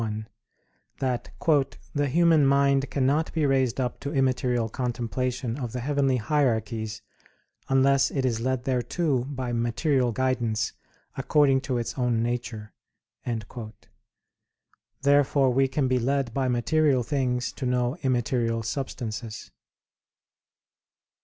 i) that "the human mind cannot be raised up to immaterial contemplation of the heavenly hierarchies, unless it is led thereto by material guidance according to its own nature." Therefore we can be led by material things to know immaterial substances.